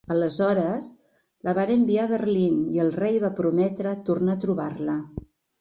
Aleshores la van enviar a Berlín i el rei va prometre tornar a trobar-la.